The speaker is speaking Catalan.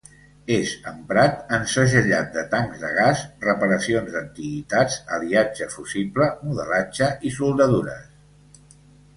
És emprat en segellat de tancs de gas, reparacions d'antiguitats, aliatge fusible, modelatge i soldadures.